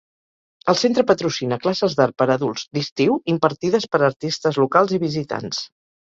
El centre patrocina classes d'art per a adults d'estiu impartides per artistes locals i visitants.